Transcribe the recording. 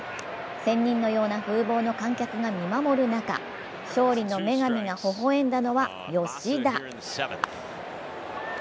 仙人のような風貌の観客が見守る中、勝利の女神がほほ笑んだのは吉田。